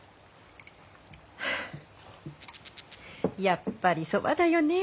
やっぱりそばだよね。